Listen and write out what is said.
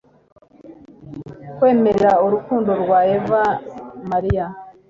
Kwemerera urukundo rwa Ave Maria